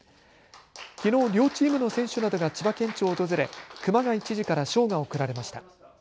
きのう両チームの選手などが千葉県庁を訪れ熊谷知事から賞が贈られました。